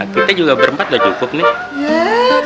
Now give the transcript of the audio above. kita juga berempat udah cukup nih